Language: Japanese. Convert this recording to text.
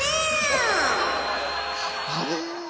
あれ？